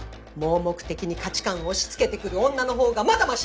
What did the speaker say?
盲目的に価値観を押し付けてくる女の方がまだマシだわ！